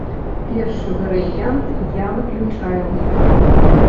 Першы варыянт я выключаю.